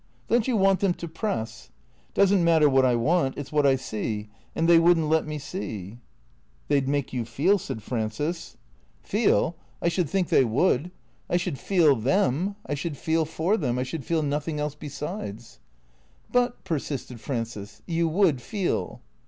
" Don't you want them to press ?"" It does n't matter what I want. It 's what I see. And they would n't let me see," " They 'd make you feel," said Frances. 268 THECREATOES "Feel? I should think they would. I should feel them, I should feel for them, I should feel nothing else besides." " But/' persisted Frances, " you would feel."